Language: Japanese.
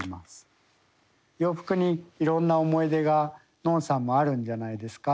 洋服にいろんな思い出がのんさんもあるんじゃないですか？